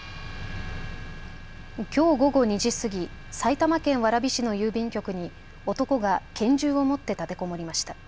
きょう午後２時過ぎ、埼玉県蕨市の郵便局に男が拳銃を持って立てこもりました。